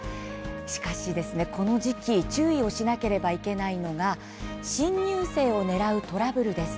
しかし、この時期注意をしなければいけないのが新入生を狙うトラブルです。